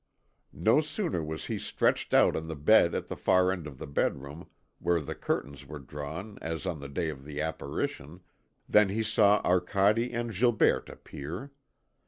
No sooner was he stretched on the bed at the far end of the bedroom where the curtains were drawn as on the day of the apparition, than he saw Arcade and Gilberte appear.